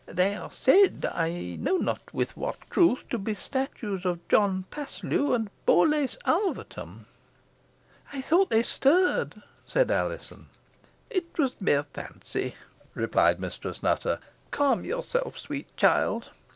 They are said, I know not with what truth to be statues of John Paslew and Borlace Alvetham." "I thought they stirred," said Alizon. "It was mere fancy," replied Mistress Nutter. "Calm yourself, sweet child.